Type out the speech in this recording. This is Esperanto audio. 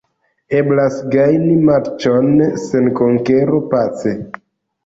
Eblas gajni matĉon sen konkero, pace.